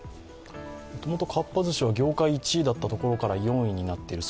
もともとかっぱ寿司は業界１位だったところから４位になっている。